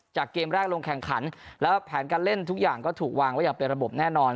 เกมแรกลงแข่งขันแล้วแผนการเล่นทุกอย่างก็ถูกวางไว้อย่างเป็นระบบแน่นอน